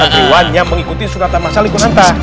yang mengikuti surat al masyarikun hanta